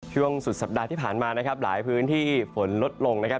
ช่วงสุดสัปดาห์ที่ผ่านมานะครับหลายพื้นที่ฝนลดลงนะครับ